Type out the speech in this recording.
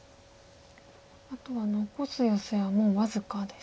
あと残すヨセはもう僅かですか。